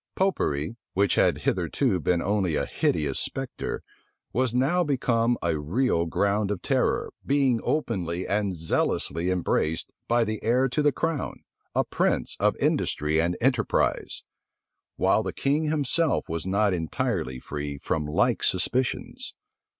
Popery, which had hitherto been only a hideous spectre, was now become a real ground of terror being openly and zealously embraced by the heir to the crown a prince of industry and enterprise; while the king himself was not entirely free from like suspicions.